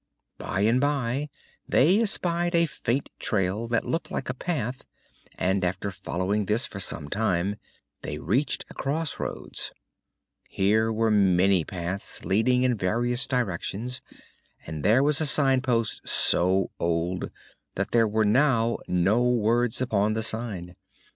By and by they espied a faint trail that looked like a path and after following this for some time they reached a crossroads. Here were many paths, leading in various directions, and there was a signpost so old that there were now no words upon the sign.